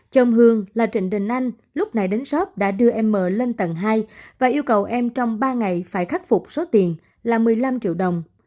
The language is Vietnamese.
chồng hương là trịnh đình anh lúc này đến shop đã đưa em m lên tầng hai và yêu cầu em trong ba ngày phải khắc phục số tiền là một mươi năm triệu đồng